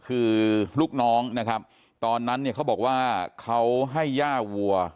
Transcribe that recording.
คือลูกน้องนะครับตอนนั้นเนี่ยเขาบอกว่าเขาให้ย่าวัว